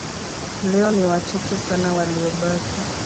Leo ni wachache sana waliobaki.